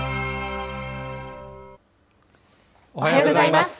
おはようございます。